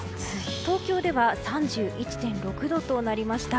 東京では３１．６度となりました。